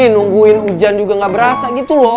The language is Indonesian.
nungguin hujan juga gak berasa gitu loh